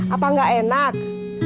apa gak enak